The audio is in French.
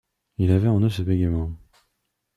Ils avaient en eux ce bégaiement.